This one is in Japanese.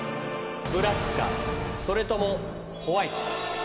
ブラックかそれともホワイトか。